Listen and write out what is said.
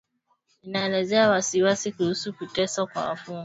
Inaelezea wasiwasi kuhusu kuteswa kwa wafungwa